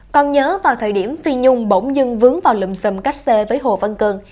còn nhớ vào thời điểm phi nhung bỗng dưng vướng vào lùm xùm cách xê với hồ văn cường